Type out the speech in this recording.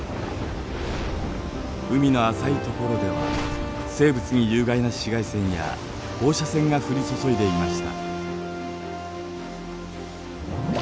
海の浅い所では生物に有害な紫外線や放射線が降り注いでいました。